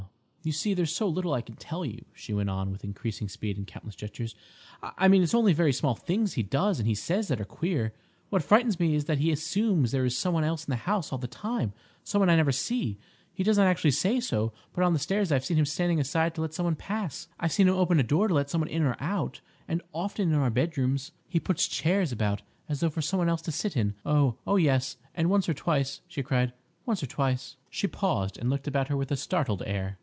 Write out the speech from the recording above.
"You see, there's so little I can tell you," she went on, with increasing speed and countless gestures. "I mean it's only very small things he does and says that are queer. What frightens me is that he assumes there is some one else in the house all the time—some one I never see. He does not actually say so, but on the stairs I've seen him standing aside to let some one pass; I've seen him open a door to let some one in or out; and often in our bedrooms he puts chairs about as though for some one else to sit in. Oh—oh yes, and once or twice," she cried—"once or twice—" She paused, and looked about her with a startled air.